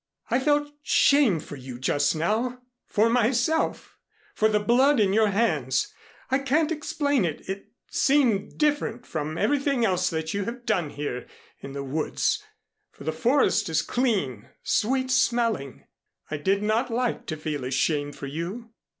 I felt shame for you just now for myself for the blood on your hands. I can't explain it. It seemed different from everything else that you have done here in the woods, for the forest is clean, sweet smelling. I did not like to feel ashamed for you.